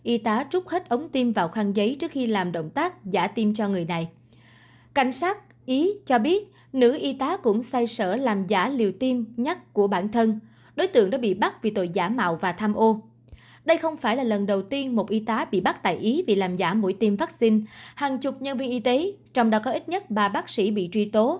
y tá rút hết ống tiêm vào khăn giấy trước khi làm động tác giả tiêm cho người này